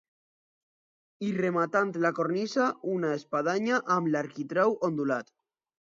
I rematant la cornisa, una espadanya amb l'arquitrau ondulat.